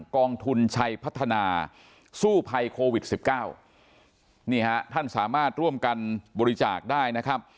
กองทุนชัยพัฒนาสู้ภัยโควิดสิบเก้านี่ฮะท่านสามารถร่วมกันบริจาคได้นะครับ